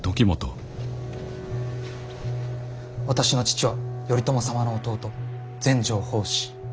私の父は頼朝様の弟全成法師。